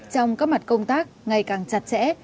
trong các mặt công tác ngày càng chặt chẽ